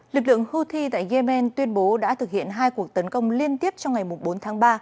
lực lượng houthi tại yemen tuyên bố đã thực hiện hai cuộc tấn công liên tiếp trong ngày bốn tháng ba